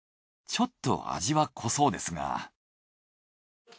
ちょっと味は濃そうですが。